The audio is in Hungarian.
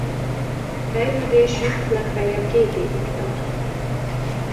Fejlődésük legfeljebb két évig tart.